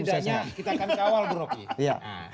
setidaknya kita akan kawal bu rocky